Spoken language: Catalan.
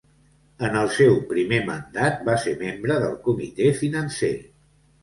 En el seu primer mandat, va ser membre del comitè financer.